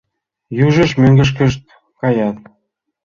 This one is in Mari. Южышт мӧҥгышкышт каят.